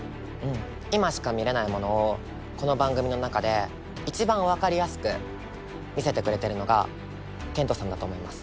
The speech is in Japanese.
今しか見れないものをこの番組の中で一番分かりやすく見せてくれてるのがＫＥＮＴさんだと思います。